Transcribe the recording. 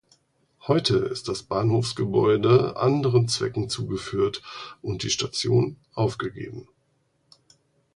Heute ist das Bahnhofsgebäude anderen Zwecken zugeführt und die Station anfgegeben.